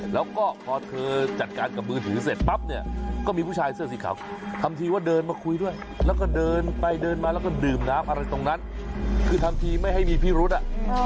แล้วก็พอเธอจัดการกับมือถือเสร็จปั๊บเนี่ยก็มีผู้ชายเสื้อสีขาวทำทีว่าเดินมาคุยด้วยแล้วก็เดินไปเดินมาแล้วก็ดื่มน้ำอะไรตรงนั้นคือทำทีไม่ให้มีพิรุธอ่ะ